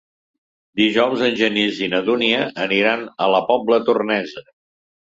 Dijous en Genís i na Dúnia aniran a la Pobla Tornesa.